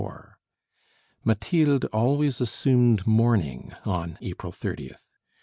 Mathilde always assumed mourning on April 30th.